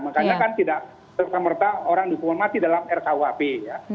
makanya kan tidak terkemerta orang hukuman mati dalam rkuap ya